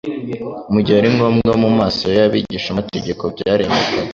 mu gihe ari ngombwa mu maso y’abigishamategeko byaremerwaga;